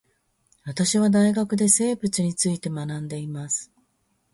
私は大学で生物について学んでいます